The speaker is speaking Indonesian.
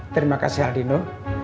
terima kasih aldino